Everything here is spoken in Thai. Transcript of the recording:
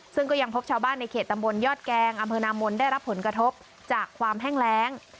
ซึ่งก็ยังพบชาวบ้านในเขตตำบลยอดแกงอำเภอนามนได้รับผลกระทบจากความแห้งแรง